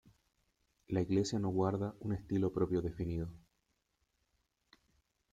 La iglesia no guarda un estilo propio definido.